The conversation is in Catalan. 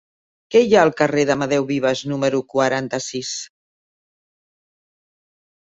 Què hi ha al carrer d'Amadeu Vives número quaranta-sis?